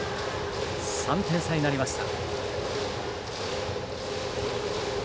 ３点差になりました。